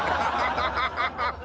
ハハハハ！